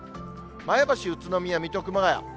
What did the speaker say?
前橋、宇都宮、水戸、熊谷。